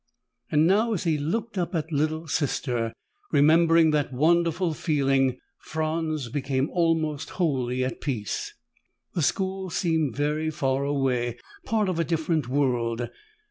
Now, as he looked up at Little Sister, remembering that wonderful feeling, Franz became almost wholly at peace. The school seemed very far away, part of a different world.